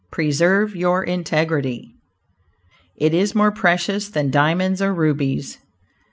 PRESERVE YOUR INTEGRITY It is more precious than diamonds or rubies.